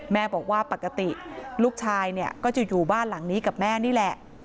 แม่บอกว่าปกติลูกชายเนี่ยก็จะอยู่บ้านหลังนี้กับแม่นี่แหละ